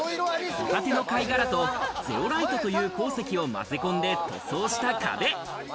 ホタテの貝殻とゼオライトという鉱石を混ぜ込んで塗装した壁。